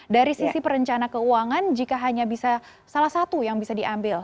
dari sisi perencana keuangan jika hanya bisa salah satu yang bisa diambil